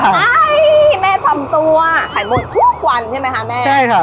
ไอ้แม่ทำตัวไขมุกทุกวันใช่ไหมคะแม่ใช่ค่ะ